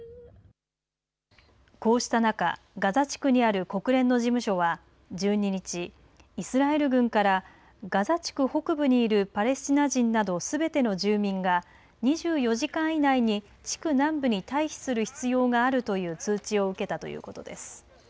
こうした中、ガザ地区にある国連の事務所は１２日、イスラエル軍からガザ地区北部にいるパレスチナ人などすべての住民が２４時間以内に地区南部に退避する必要があるという通知を受けたということです。